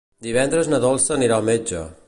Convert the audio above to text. Divendres na Dolça anirà al metge.